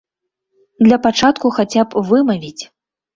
Для пачатку хаця б вымавіць.